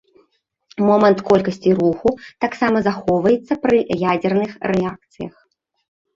Момант колькасці руху таксама захоўваецца пры ядзерных рэакцыях.